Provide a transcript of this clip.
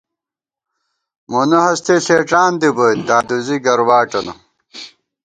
مونہ ہستےݪېڄان دِبوئیت دادوزی گرواٹَنہ